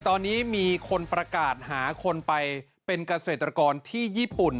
ตอนนี้มีคนประกาศหาคนไปเป็นเกษตรกรที่ญี่ปุ่น